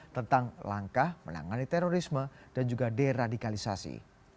tentang langkah menangani terorisme dan juga deradikalisasi